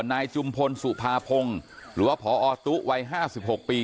นายจุมพลสุภาพงศ์หรือพอตู้วัย๕๖ปี